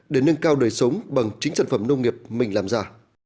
để nâng cao đời sống bằng chính sản phẩm nông nghiệp mình làm ra